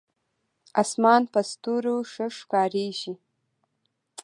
اسمان په ستورو ښه ښکارېږي.